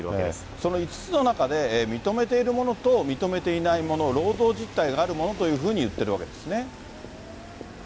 その５つの中で、認めているものと認めていないもの、労働実態があるものというふうに言ってるわけですね。